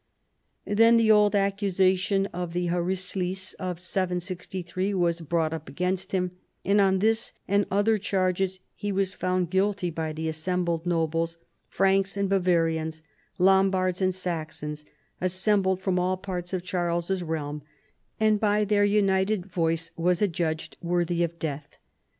Then the old accusation of the harisliz of 763 Avas brought up against him, and on this and other charges he was found guilty by the assembled nobles, Franks, and Bavarians, Lombards and Saxons, assembled from all parts of Charles's realm, and by their united voice was adjudged worthy of death.